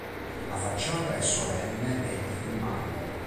La facciata è solenne ed in marmo.